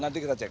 nanti kita cek